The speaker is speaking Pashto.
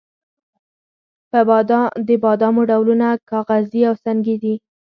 د بادامو ډولونه کاغذي او سنګي دي.